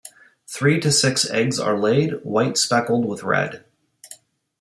Three to six eggs are laid, white speckled with red.